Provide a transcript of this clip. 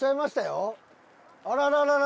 あらららら！